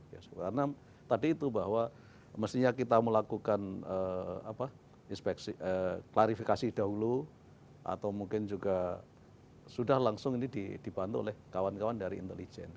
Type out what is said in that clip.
karena tadi itu bahwa mestinya kita melakukan klarifikasi dahulu atau mungkin juga sudah langsung ini dibantu oleh kawan kawan dari intelijen